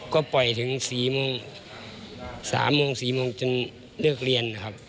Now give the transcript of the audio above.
ก็ปล่อยถึงสี่โมงสามโมงสี่โมงจนเลือกเรียนครับผมก็